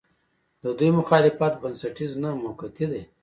د دوی مخالفت بنسټیز نه، موقعتي دی.